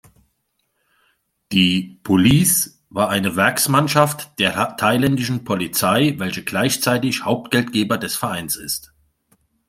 Die "Police" war eine Werksmannschaft der Thailändischen Polizei, welche gleichzeitig Hauptgeldgeber des Vereins ist.